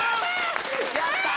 やったー！